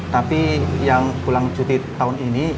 tapi yang pulang cuti tahun ini